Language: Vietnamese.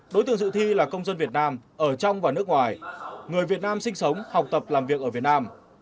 đối tượng dự thi là công dân việt nam ở trong và nước ngoài người việt nam sinh sống học tập làm việc ở việt nam